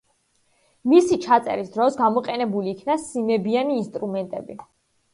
მისი ჩაწერის დროს გამოყენებული იქნა სიმებიანი ინსტრუმენტები.